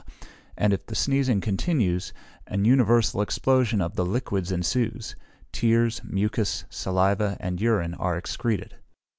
and if the sneezing continues, an universal explosion of the liquids ensues: tears, mucus, saliva, and urine, are excreted.